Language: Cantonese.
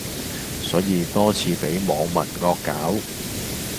所以多次俾網民惡搞